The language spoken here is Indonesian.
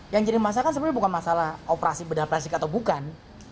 yang jadi masalah kan sebenarnya bukan masalah operasi bedah plastik atau bukan